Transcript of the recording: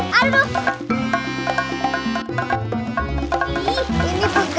banyak banget sih